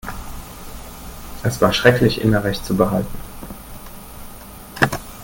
Es war schrecklich, immer Recht zu behalten.